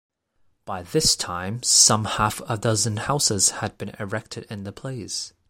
By this time some half a dozen houses had been erected in the place.